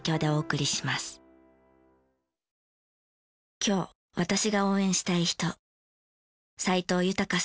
今日私が応援したい人。